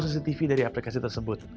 cctv dari aplikasi tersebut